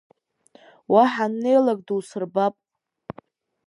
Уа ҳаннеилак дусырбап.